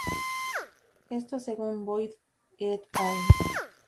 Esto según Boyd "et al.